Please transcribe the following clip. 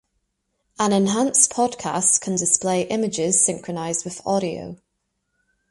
An enhanced podcast can display images synchronized with audio.